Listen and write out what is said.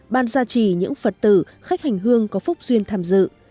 ban gia trì những phật tử khách hành hương có phúc duyên tham dự